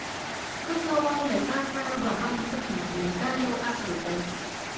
ښه کوه له تاسره به هم ښه کېږي دا یو اصل دی.